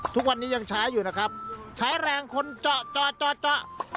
ทุกวันนี้ยังใช้อยู่นะครับใช้แรงคนเจาะจอดเจาะเจาะ